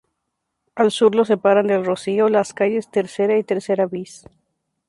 Al sur lo separan de El Rocío las calles Tercera y Tercera bis.